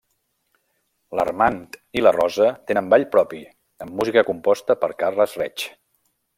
L'Armand i la Rosa tenen ball propi, amb música composta per Carles Reig.